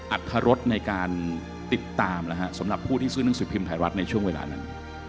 อรรถรสในการติดตามสำหรับผู้ที่ซื้อหนังสือพิมพ์ไทยรัฐในช่วงเวลานั้น